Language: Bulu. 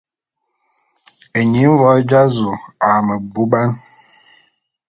Eying mvoé dza zu a meboubane.